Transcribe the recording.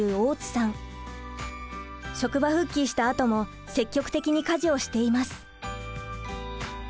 職場復帰したあとも積極的に家事をしています。